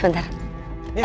tunggu teman saya